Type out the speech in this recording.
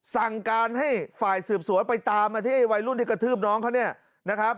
สั่งการให้ฝ่ายสืบสวนไปตามมาที่ไอวัยรุ่นที่กระทืบน้องเขาเนี่ยนะครับ